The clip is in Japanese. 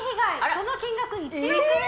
その金額１億円！